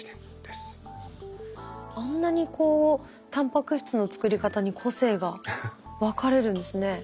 あんなにこうたんぱく質の作り方に個性が分かれるんですね。